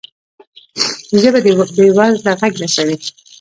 ژبه د بې وزله غږ رسوي